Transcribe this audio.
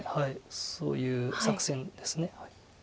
そういう作戦です。